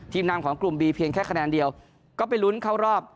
นำของกลุ่มบีเพียงแค่คะแนนเดียวก็ไปลุ้นเข้ารอบ